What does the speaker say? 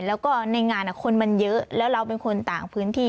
แล้วก็ในงานคนมันเยอะแล้วเราเป็นคนต่างพื้นที่